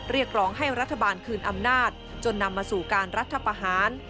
เรียกร้องให้รัฐบาลคืนอำนาจจนนำมาสู่การรัฐประหาร